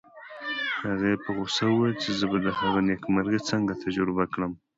هغې په غوسه وویل چې زه به هغه نېکمرغي څنګه تجربه کړم